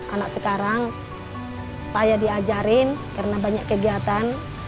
anak sekarang payah diajarin karena banyak kegiatan